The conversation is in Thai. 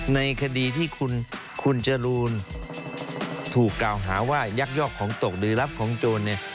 ในคดีที่คุณจรูนถูกกล่าวหาว่ายักยอกของตกหรือรับของโจรเนี่ย